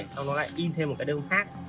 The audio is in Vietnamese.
xong nó lại in thêm một cái đơn khác